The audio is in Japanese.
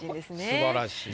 素晴らしい。